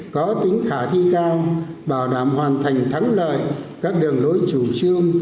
có tính khả thi cao bảo đảm hoàn thành thắng lợi các đường lối chủ trương